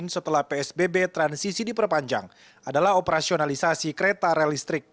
setelah psbb transisi diperpanjang adalah operasionalisasi kereta rel listrik